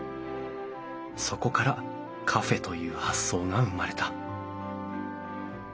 そこからカフェという発想が生まれた。